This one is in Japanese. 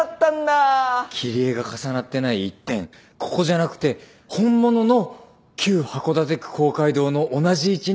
切り絵が重なってない一点ここじゃなくて本物の旧函館区公会堂の同じ位置に埋めた。